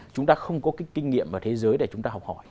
chúng ta không có cái kinh nghiệm ở thế giới để chúng ta học hỏi